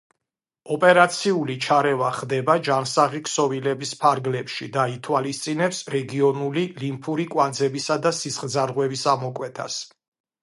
ოპერაციული ჩარევა ხდება ჯანსაღი ქსოვილების ფარგლებში და ითვალისწინებს რეგიონული ლიმფური კვანძებისა და სისხლძარღვების ამოკვეთას.